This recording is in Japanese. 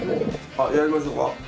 やりましょうか？